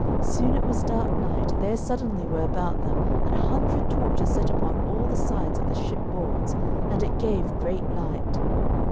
Soon it was dark night, and there suddenly were about them an hundred torches set upon all the sides of the ship boards, and it gave great light.